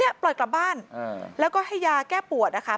ปล่อยกลับบ้านแล้วก็ให้ยาแก้ปวดนะคะ